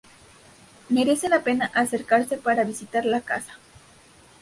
Merece la pena acercarse para visitar la casa.